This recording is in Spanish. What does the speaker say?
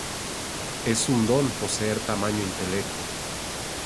Es un don poseer tamaño intelecto.